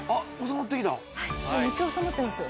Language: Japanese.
めっちゃ収まってますよ。